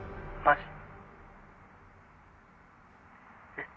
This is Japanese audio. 「えっ？